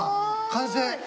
完成？